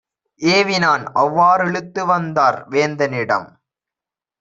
ஏவினான். அவ்வா றிழுத்துவந்தார் வேந்தனிடம்.